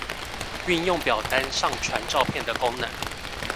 運用表單上傳照片的功能